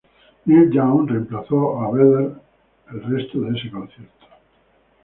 Neil Young reemplazó a Vedder el resto de ese concierto.